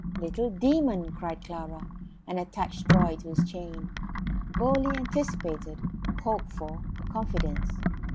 "Little demon!" cried Clara, and attached Troy to his chain. Bowley anticipated hoped for a confidence.